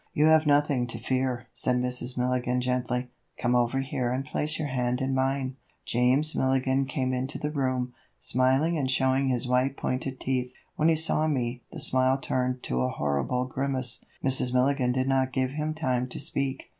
"You have nothing to fear," said Mrs. Milligan gently; "come over here and place your hand in mine." James Milligan came into the room, smiling and showing his white pointed teeth. When he saw me, the smile turned to a horrible grimace. Mrs. Milligan did not give him time to speak.